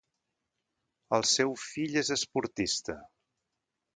El seu fill és esportista.